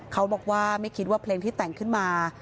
เขาบอกว่าไม่คิดว่าเพลงที่แต่งขึ้นมา